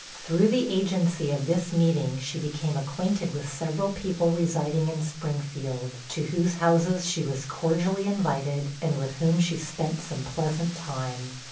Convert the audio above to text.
Through the agency of this meeting, she became acquainted with several people residing in Springfield, to whose houses she was cordially invited, and with whom she spent some pleasant time.